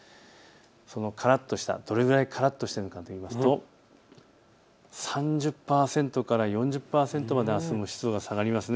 そのからっとした、どれぐらいからっとしているかといいますと３０％から４０％まであすの湿度下がります。